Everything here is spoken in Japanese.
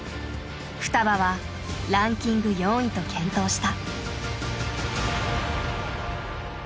ふたばはランキング４位と健闘した。